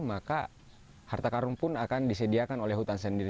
maka harta karun pun akan disediakan oleh hutan sendiri